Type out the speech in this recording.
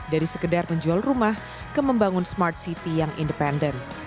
dari sekedar menjual rumah ke membangun smart city yang independen